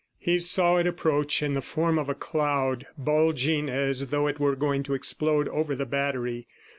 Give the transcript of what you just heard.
He saw it approach in the form of a cloud, bulging as though it were going to explode over the battery.